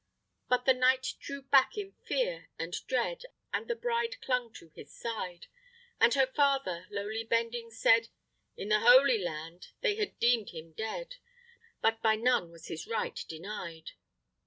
But the knights drew back in fear and dread, And the bride clung to his side; And her father, lowly bending, said, In the Holy Land they had deem'd him dead, But by none was his right denied.